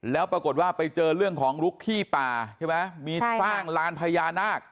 แล้วปรากฏว่าไปเจอเรื่องของลุกที่ป่าใช่ไหมมีสร้างลานพญานาค